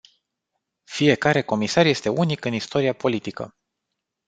Fiecare comisar este unic în istoria politică.